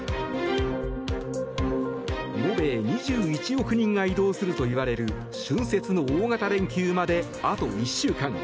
延べ２１億人が移動するといわれる春節の大型連休まであと１週間。